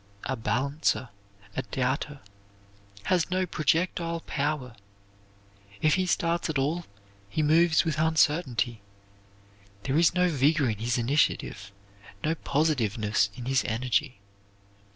A balancer, a doubter, has no projectile power. If he starts at all, he moves with uncertainty. There is no vigor in his initiative, no positiveness in his energy.